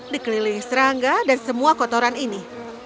dikelilingi serangga dan semua kotoran ini